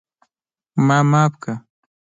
ما معاف کړه!